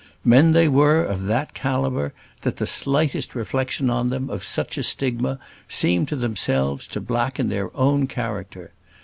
Men they were of that calibre, that the slightest reflection on them of such a stigma seemed to themselves to blacken their own character.